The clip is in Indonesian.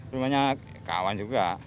rumahnya kawan juga